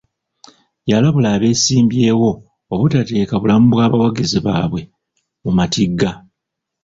Yalabula abeesimbyewo obutateeka bulamu bwa bawagizi bwabwe mu matigga.